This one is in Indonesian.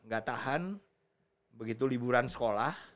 gak tahan begitu liburan sekolah